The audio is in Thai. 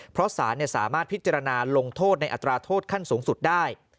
เพราะสารสามารถพิจารณาลงโทษในอัตราโทษขั้นสูงสุดได้